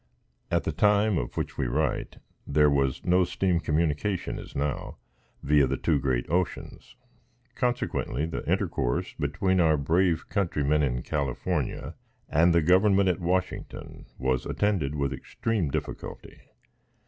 At the time of which we write, there was no steam communication, as now, viâ the two great oceans, consequently, the intercourse between our brave countrymen in California and the government at Washington was attended with extreme difficulty.